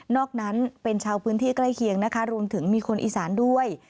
อกนั้นเป็นชาวพื้นที่ใกล้เคียงนะคะรวมถึงมีคนอีสานด้วย